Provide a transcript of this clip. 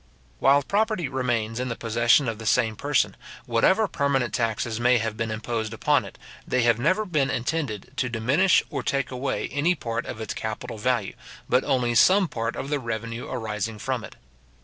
While property remains in the possession of the same person, whatever permanent taxes may have been imposed upon it, they have never been intended to diminish or take away any part of its capital value, but only some part of the revenue arising from it.